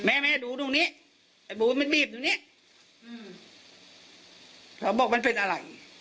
แม่แม่ดูตรงนี้ไอ้บูมันบีบตรงนี้อืมเขาบอกมันเป็นอะไร